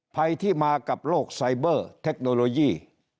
ภัยที่มากับโรคไซเบอร์เทคโนโลยี